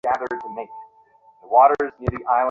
যিনি আমার কাছে গিয়েছিলেন, তিনি মোটাসোটা ধরনের খাটো মানুষ।